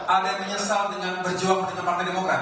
ada yang menyesal dengan berjuang dengan partai demokrat